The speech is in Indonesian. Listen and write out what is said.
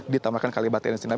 di taman kalibata ini sendiri